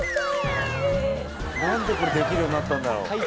なんでこれできるようになったんだろう？